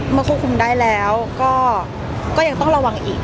ควบคุมได้แล้วก็ยังต้องระวังอีก